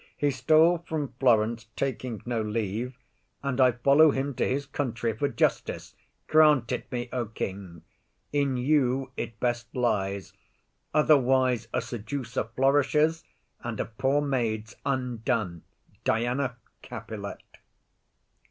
He stole from Florence, taking no leave, and I follow him to his country for justice. Grant it me, O king, in you it best lies; otherwise a seducer flourishes, and a poor maid is undone._ DIANA CAPILET.